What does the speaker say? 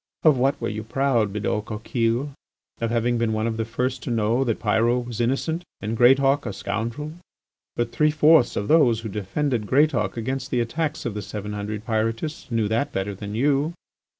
Of what were you proud, Bidault Coquille? Of having been one of the first to know that Pyrot was innocent and Greatauk a scoundrel. But three fourths of those who defended Greatauk against the attacks of the seven hundred Pyrotists knew that better than you.